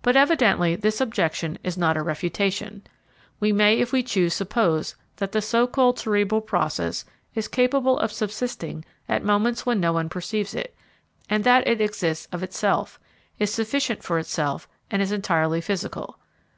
But, evidently, this objection is not a refutation. We may if we choose suppose that the so called cerebral process is capable of subsisting at moments when no one perceives it, and that it exists of itself, is sufficient for itself, and is entirely physical.